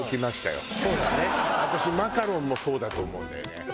私マカロンもそうだと思うんだよね。